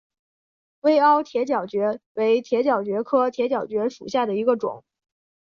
微凹铁角蕨为铁角蕨科铁角蕨属下的一个种。